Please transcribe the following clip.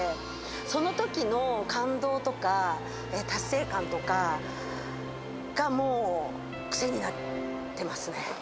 そのときの感動とか、達成感とかが、もう癖になってますね。